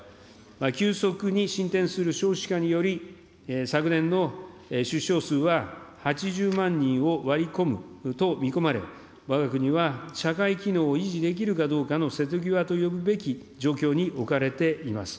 急速に進展する少子化により、昨年の出生数は８０万人を割り込むと見込まれ、わが国は社会機能を維持できるかどうかの瀬戸際というべき状況に置かれています。